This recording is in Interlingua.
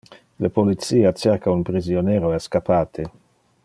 Le policia cerca un prisionero escappate.